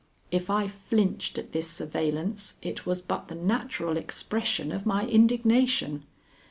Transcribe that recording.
If I flinched at this surveillance, it was but the natural expression of my indignation.